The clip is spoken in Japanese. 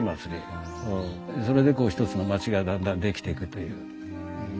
それでこう一つの町がだんだんできていくという。